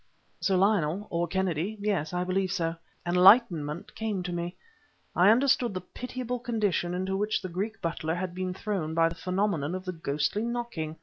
"Sir Lionel, or Kennedy yes, I believe so." Enlightenment came to me, and I understood the pitiable condition into which the Greek butler had been thrown by the phenomenon of the ghostly knocking.